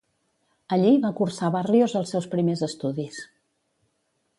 Allí va cursar Barrios els seus primers estudis.